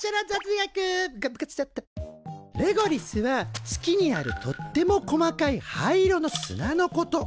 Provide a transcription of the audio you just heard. レゴリスは月にあるとっても細かい灰色の砂のこと。